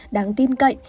đáng tin cậy